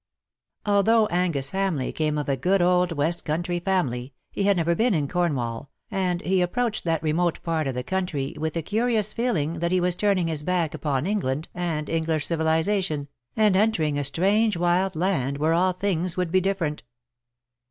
Although Angus Hamleigh came of a good old west country family, he had never been in Cornwall, and he approached that remote part of the country with a curious feeling that he was turning his back upon England and English civilization, and entering a strange wild land where all things would be different.